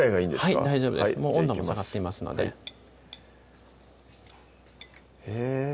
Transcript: はい大丈夫ですもう温度も下がっていますのでへぇ